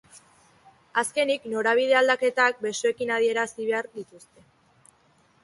Azkenik, norabide aldaketak besoekin adierazi behar dituzte.